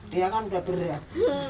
dia kan udah berat